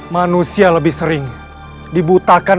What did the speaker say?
manusia lebih sering dibutakan